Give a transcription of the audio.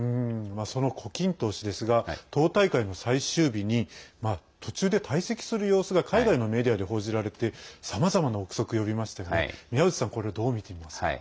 その胡錦涛氏ですが党大会の最終日に途中で退席する様子が海外のメディアで報じられてさまざまな憶測を呼びましたが宮内さんはこれをどう見ていますか。